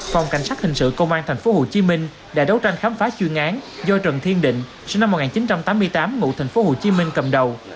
phòng cảnh sát hình sự công an tp hcm đã đấu tranh khám phá chuyên án do trần thiên định sinh năm một nghìn chín trăm tám mươi tám ngụ tp hcm cầm đầu